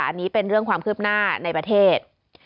อันนี้เป็นเรื่องความคืบหน้าในประเทศ